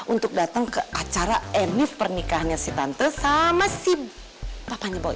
untuk datang ke acara enif pernikahannya si tante sama si papanya boy